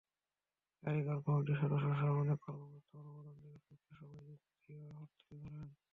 কারিগরি কমিটির সদস্যসহ অনেক কর্মকর্তা অনুমোদন দেওয়ার পক্ষে সভায় যুক্তিও তুলে ধরেন।